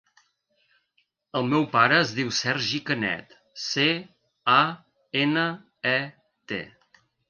El meu pare es diu Sergi Canet: ce, a, ena, e, te.